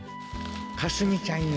「かすみちゃんへ。